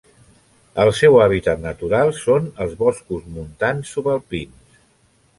El seu hàbitat natural són els boscos montans subalpins.